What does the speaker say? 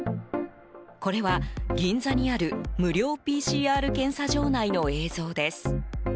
これは、銀座にある無料ＰＣＲ検査場内の映像です。